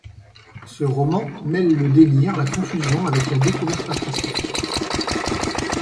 Ce roman mêle le délire, la confusion, avec la découverte artistique.